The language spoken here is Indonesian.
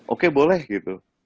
oke boleh gitu